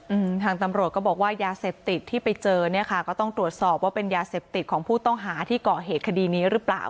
อืมทางตำรวจก็บอกว่ายาเสพติดที่ไปเจอเนี้ยค่ะก็ต้องตรวจสอบว่าเป็นยาเสพติดของผู้ต้องหาที่ก่อเหตุคดีนี้หรือเปล่า